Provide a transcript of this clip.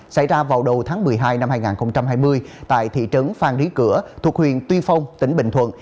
xảy ra vào đầu tháng một mươi hai năm hai nghìn hai mươi tại thị trấn phan rí cửa thuộc huyện tuy phong tỉnh bình thuận